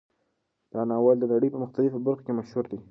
دا ناول د نړۍ په مختلفو برخو کې مشهور دی.